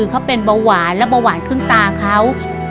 เขาเป็นเบาหวานและเบาหวานขึ้นตาเขา